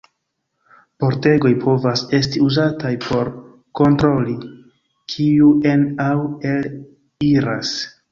Pordegoj povas esti uzataj por kontroli kiu en- aŭ el-iras.